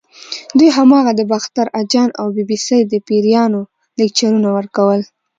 دوی هماغه د باختر اجان او بي بي سۍ د پیریانو لیکچرونه ورکول.